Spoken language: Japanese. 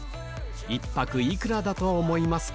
１泊幾らだと思いますか？